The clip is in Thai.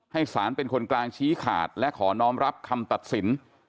สารเป็นคนกลางชี้ขาดและขอน้องรับคำตัดสิน